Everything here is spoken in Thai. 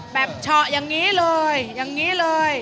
แบบชอกอย่างนี้เลยอย่างนี้เลย